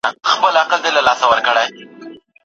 ډیپلوماټانو به نوي تړونونه لاسلیک کول.